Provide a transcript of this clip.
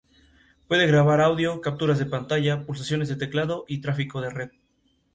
La elección de Cáceres fue pues inevitable.